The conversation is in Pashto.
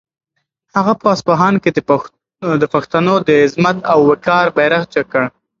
هغه په اصفهان کې د پښتنو د عظمت او وقار بیرغ جګ کړ.